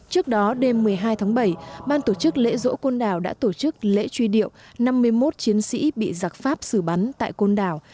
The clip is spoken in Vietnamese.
trước đó đêm một mươi hai tháng bảy ban tổ chức lễ dỗ côn đảo đã tổ chức lễ truy điệu năm mươi một chiến sĩ bị giặc pháp xử bắn tại côn đảo